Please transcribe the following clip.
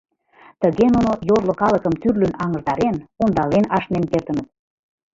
Тыге нуно йорло калыкым тӱрлын аҥыртарен, ондален ашнен кертыныт.